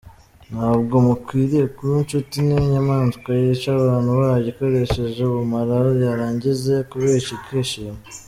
Ntabwo mukwiriye kuba inshuti n’inyamaswa yica abantu bayo ikoresheje ubumara, yarangiza kubica ikishima”.